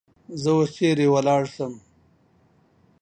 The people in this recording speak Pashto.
زه اوس چیری ولاړسم؟